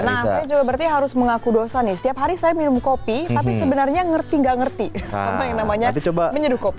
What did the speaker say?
nah saya juga berarti harus mengaku dosa nih setiap hari saya minum kopi tapi sebenarnya ngerti nggak ngerti tentang yang namanya menyeduh kopi